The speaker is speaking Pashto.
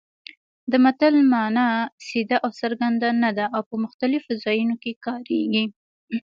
د متل مانا سیده او څرګنده نه ده او په مختلفو ځایونو کې کارېږي